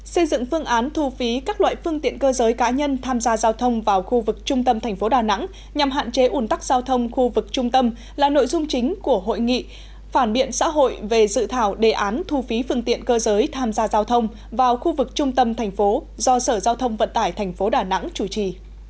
xây dựng phương án thu phí các loại phương tiện cơ giới cá nhân tham gia giao thông vào khu vực trung tâm thành phố đà nẵng nhằm hạn chế ủn tắc giao thông khu vực trung tâm là nội dung chính của hội nghị phản biện xã hội về dự thảo đề án thu phí phương tiện cơ giới tham gia giao thông vào khu vực trung tâm thành phố do sở giao thông vận tải tp đà nẵng chủ trì